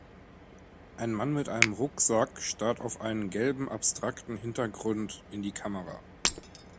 ein Mann mit einem Rucksack starrt auf einen gelben abstrakten Hintergrund in die Kamera.